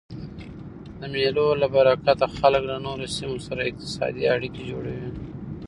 د مېلو له برکته خلک له نورو سیمو سره اقتصادي اړیکي جوړوي.